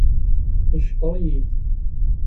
Yeckeṛ-iyi-d.